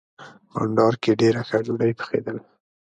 بانډار کې ډېره ښه ډوډۍ پخېدله.